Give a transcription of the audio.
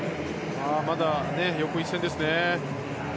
まだ横一線ですね。